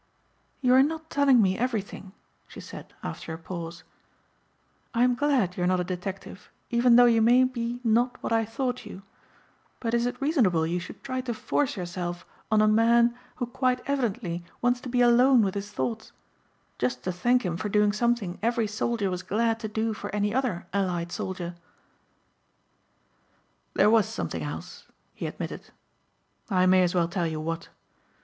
"You are not telling me everything," she said after a pause, "I am glad you are not a detective even though you may be not what I thought you, but is it reasonable you should try to force yourself on a man who quite evidently wants to be alone with his thoughts just to thank him for doing something every soldier was glad to do for any other allied soldier?" "There was something else," he admitted. "I may as well tell you what.